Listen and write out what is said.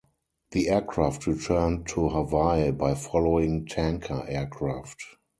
The aircraft returned to Hawaii by following tanker aircraft.